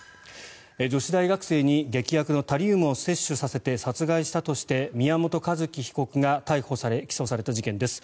女子大学生に劇薬のタリウムを摂取させて殺害したとして宮本一希被告が逮捕され起訴された事件です。